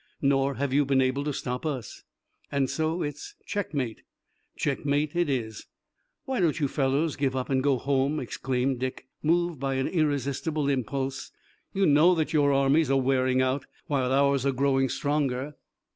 "Nor have you been able to stop us." "And so it's checkmate." "Checkmate it is." "Why don't you fellows give up and go home?" exclaimed Dick, moved by an irresistible impulse. "You know that your armies are wearing out, while ours are growing stronger!"